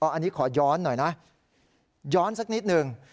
อันนี้ขอย้อนหน่อยนะย้อนสักนิดหนึ่ง